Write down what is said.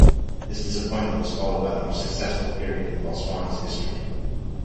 This disappointment was followed by the most successful period in Botswana's history.